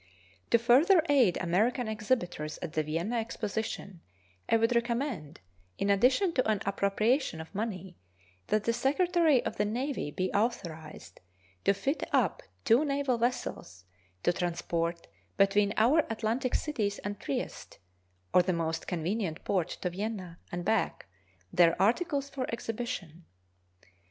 To further aid American exhibitors at the Vienna Exposition, I would recommend, in addition to an appropriation of money, that the Secretary of the Navy be authorized to fit up two naval vessels to transport between our Atlantic cities and Trieste, or the most convenient port to Vienna, and back, their articles for exhibition.